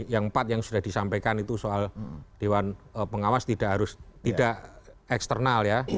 yang empat yang sudah disampaikan itu soal dewan pengawas tidak harus tidak eksternal ya